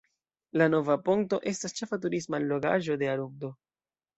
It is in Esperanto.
La "Nova Ponto" estas ĉefa turisma allogaĵo de Arundo.